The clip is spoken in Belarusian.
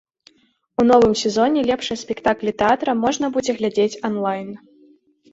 У новым сезоне лепшыя спектаклі тэатра можна будзе глядзець онлайн.